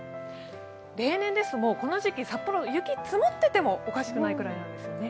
例年ですと、もうこの時期、札幌雪積もっててもおかしくないんです。